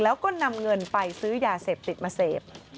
แล้วก็นำเงินไปซื้อยาเสพติดมาเสพ